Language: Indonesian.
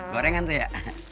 gorengan tuh ya